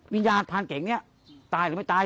วิญญาณพรานเก่งเนี่ยตายหรือไม่ตาย